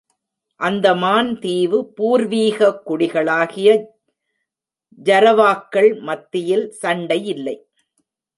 அந்தமான் தீவு பூர்வீக குடிகளாகிய ஜரவாக்கள் மத்தியில் சண்டையில்லை.